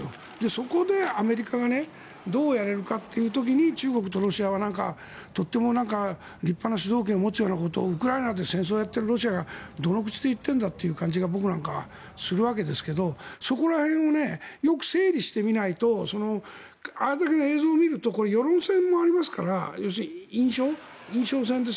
そこでアメリカがどうやれるかという時に中国とロシアは立派な主導権を持つようなことをウクライナで戦争をやっているロシアがどの口で言っているんだと僕なんかはするわけですがそこら辺をよく整理してみないとあれだけの映像を見ると世論戦もありますから要するに印象戦です。